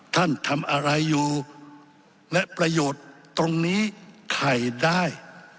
ท่านทำอะไรอยู่และประโยชน์ตรงนี้ใครได้